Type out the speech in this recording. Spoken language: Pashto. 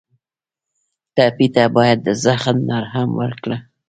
ټپي ته باید د زخم مرهم ورکړو.